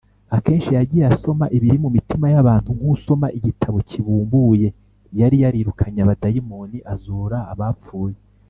akenshi yagiye asoma ibiri mu mitima y’abantu nk’usoma igitabo kibumbuye; yari yarirukanye abadayimoni, azura abapfuye